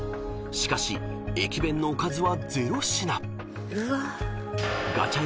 ［しかし駅弁のおかずは０品］